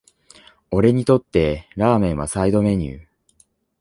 俺にとってラーメンはサイドメニュー